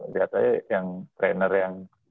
lihat aja yang trainer yang